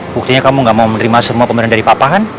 buktinya kamu gak mau menerima semua pemberian dari papahan